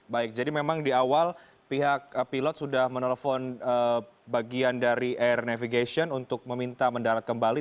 baik jadi memang di awal pihak pilot sudah menelpon bagian dari air navigation untuk meminta mendarat kembali